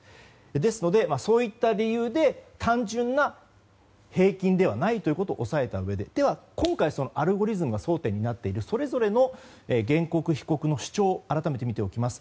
ですので、そういった理由で単純な平均ではないということを押さえたうえででは今回アルゴリズムが争点になっているそれぞれの原告、被告の主張を改めて見ていきます。